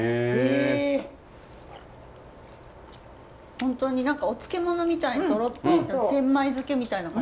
本当にお漬物みたいにトロッとした千枚漬みたいな感じ。